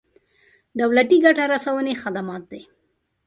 دولتي ګټې رسونې خدمات دي.